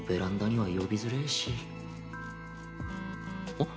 あっ。